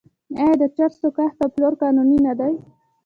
آیا د چرسو کښت او پلور قانوني نه دی؟